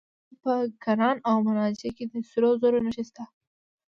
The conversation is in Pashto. د بدخشان په کران او منجان کې د سرو زرو نښې شته.